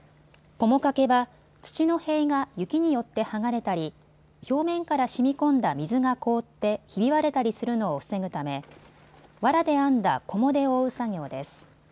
こも掛けは、土の塀が雪によって剥がれたり表面からしみこんだ水が凍ってひび割れたりするの防ぐためわらで編んだこもで覆う作業です。